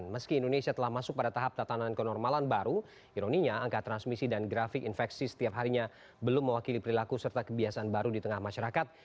meski indonesia telah masuk pada tahap tatanan kenormalan baru ironinya angka transmisi dan grafik infeksi setiap harinya belum mewakili perilaku serta kebiasaan baru di tengah masyarakat